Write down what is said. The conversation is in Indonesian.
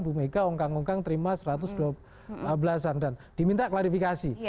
bumega ongkang ongkang terima satu ratus dua belas an dan diminta klarifikasi